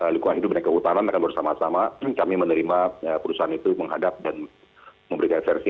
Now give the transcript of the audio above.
lingkungan hidup mereka utama mereka bersama sama kami menerima perusahaan itu menghadap dan memberikan versi